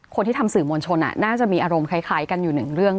คนที่ทำสื่อมวลชนน่าจะมีอารมณ์คล้ายกันอยู่หนึ่งเรื่อง